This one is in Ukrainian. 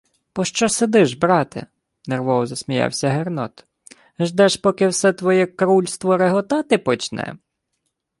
— Пощо сидиш, брате? — нервово засміявся Гернот. — Ждеш, поки все твоє крульство реготати почне?